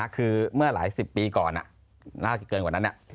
คือเมื่อหลายสิบปีก่อนน่าจะเกินกว่านั้น